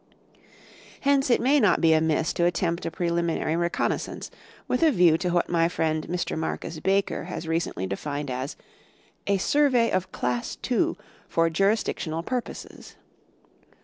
Hence it may not be amiss to attempt a preliminary reconnois sance, with a view to what my friend Mr. Marcus Baker has recently defined as " a Survey of Class II, for Jurisdictional purposes."